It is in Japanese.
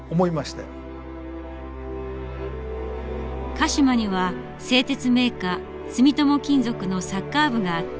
鹿嶋には製鉄メーカー住友金属のサッカー部があった。